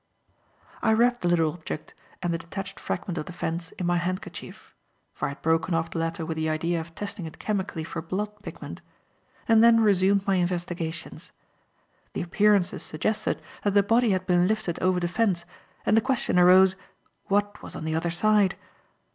I wrapped the little object and the detached fragment of the fence in my handkerchief (for I had broken off the latter with the idea of testing it chemically for blood pigment), and then resumed my investigations. The appearances suggested that the body had been lifted over the fence, and the question arose, What was on the other side?